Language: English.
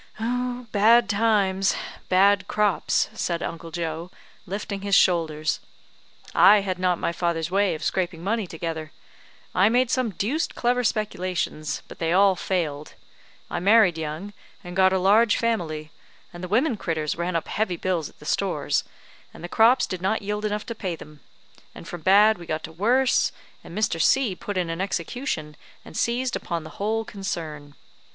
"Bad times bad crops," said Uncle Joe, lifting his shoulders. "I had not my father's way of scraping money together. I made some deuced clever speculations, but they all failed. I married young, and got a large family; and the women critters ran up heavy bills at the stores, and the crops did not yield enough to pay them; and from bad we got to worse, and Mr. C put in an execution, and seized upon the whole concern.